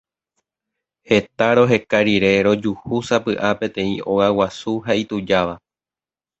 Heta roheka rire rojuhúsapy'a peteĩ óga guasu ha itujáva.